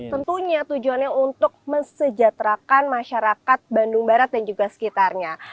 tentunya tujuannya untuk mesejahterakan masyarakat bandung barat dan juga sekitarnya